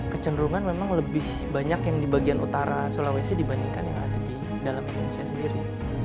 kecenderungan memang lebih banyak yang di bagian utara sulawesi dibandingkan yang ada di dalam indonesia sendiri